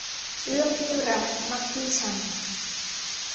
เลือกที่รักมักที่ชัง